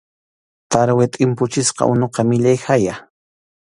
Tarwi tʼimpuchisqa unuqa millay haya.